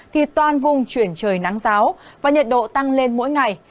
thì toàn vùng chuyển trời nắng giáo và nhiệt độ tăng lên mỗi ngày